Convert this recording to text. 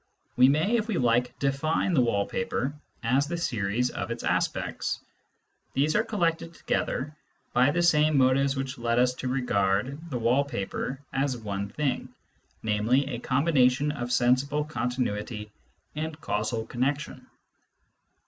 We may, if we like, define the wall paper as the series of its aspects. These are collected together by the same motives which led us to regard the wall paper as one thing, namely a combination of sensible continuity and causal connection.